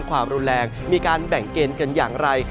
ความรุนแรงมีการแบ่งเกณฑ์กันอย่างไร